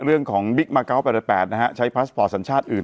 เรื่องของบิ๊กมา๙๘๘๘ใช้พลาสตรอตสัญชาติอื่น